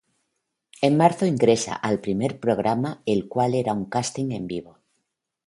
En marzo ingresa al primer programa el cual era un casting en vivo.